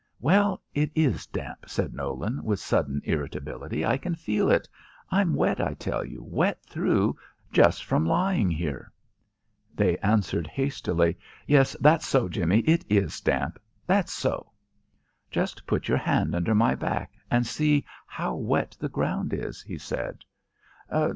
"Well, it is damp," said Nolan, with sudden irritability. "I can feel it. I'm wet, I tell you wet through just from lying here." They answered hastily. "Yes, that's so, Jimmie. It is damp. That's so." "Just put your hand under my back and see how wet the ground is," he said.